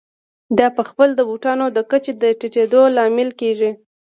دا په خپله د بوټانو د کچې ټیټېدو لامل کېږي